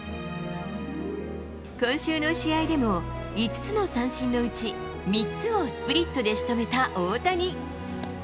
今週の試合でも、５つの三振のうち、３つをスプリットでしとめた大谷。